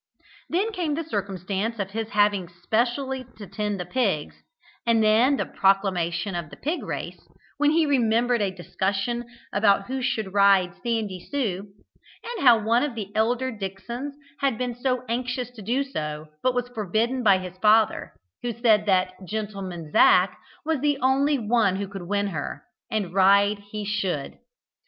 Then came the circumstance of his having specially to tend the pigs, and then the proclamation of the pig race, when he remembered a discussion about who should ride "Sandy Sue," and how one of the elder Dicksons had been anxious to do so, but was forbidden by his father, who said that "gentleman Zac" was the only one who could win on her, and ride he should.